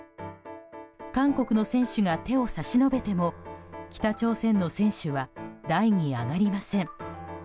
韓国の選手が手を差し伸べても北朝鮮の選手は台に上がりません。